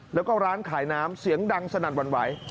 แล้วก็ร้านขายน้ำเสียงดังสนั่นหวั่นไหว